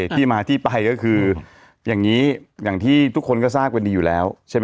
ที่มาที่ไปก็คืออย่างนี้อย่างที่ทุกคนก็ทราบกันดีอยู่แล้วใช่ไหม